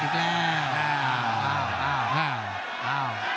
หลุดอีกแล้ว